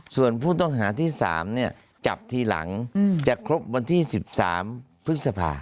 ส่วนผู้ต้องหาที่สามเนี่ยจับทีหลังอืมจะครบวันที่สิบสามเพิ่มสภา